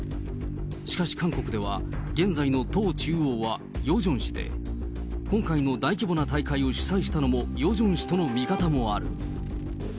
しかし韓国では、現在の党中央はヨジョン氏で、今回の大規模な大会を主催したのもヨジョン氏との見方もある。